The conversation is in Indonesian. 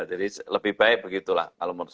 jadi lebih baik begitulah